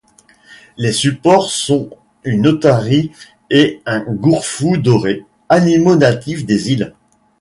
Les supports sont une otarie et un Gorfou doré, animaux natifs des îles.